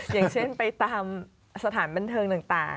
อย่างเช่นไปตามสถานบันเทิงต่าง